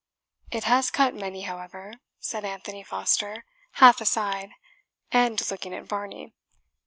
"It has cut many, however," said Anthony Foster, half aside, and looking at Varney.